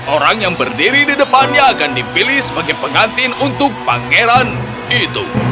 orang yang berdiri di depannya akan dipilih sebagai pengantin untuk pangeran itu